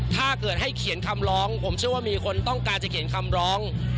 ถ้าเกิดให้เขียนคำร้องผมเชื่อว่ามีคนต้องการจะเขียนคำร้อง